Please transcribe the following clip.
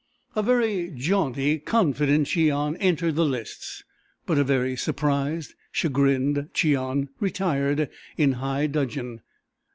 A very jaunty, confident Cheon entered the lists, but a very surprised, chagrined Cheon retired in high dudgeon.